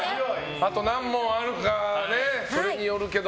あと何問あるかによるけど。